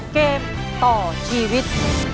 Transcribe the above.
เกมต่อชีวิต